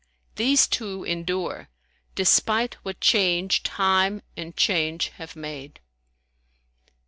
These two endure * Despite what change Time and Change have made."